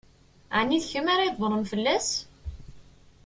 Ɛni d kemm ara ydebbṛen fell-as?